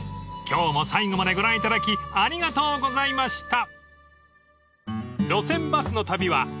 ［今日も最後までご覧いただきありがとうございました］